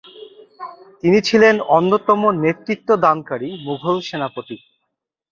তিনি ছিলেন অন্যতম নেতৃত্বদানকারী মুঘল সেনাপতি।